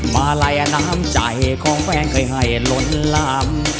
มาลัยน้ำใจของแฟนเคยให้ล้นลาม